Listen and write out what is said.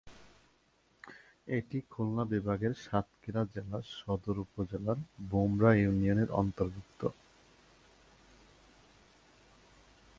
এটি খুলনা বিভাগের সাতক্ষীরা জেলার সদর উপজেলার ভোমরা ইউনিয়নের অন্তর্ভুক্ত।